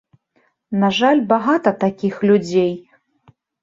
На жаль, багата такіх людзей.